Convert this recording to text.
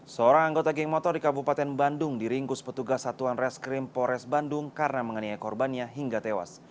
seorang anggota geng motor di kabupaten bandung diringkus petugas satuan reskrim pores bandung karena menganiaya korbannya hingga tewas